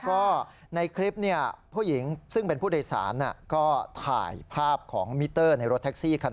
ก็ในคลิปผู้หญิงซึ่งเป็นผู้โดยสารก็ถ่ายภาพของมิเตอร์ในรถแท็กซี่คัน